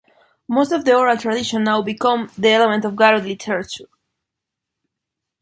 Most of the oral tradition now become the element of Garo literature.